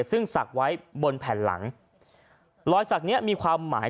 ซึ่งศักดิ์ไว้บนแผ่นหลังรอยสักเนี้ยมีความหมาย